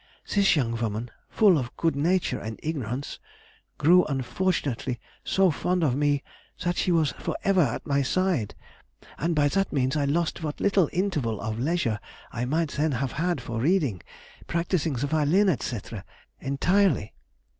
This young woman, full of good nature and ignorance, grew unfortunately so fond of me that she was for ever at my side, and by that means I lost what little interval of leisure I might then have had for reading, practising the violin, &c., entirely.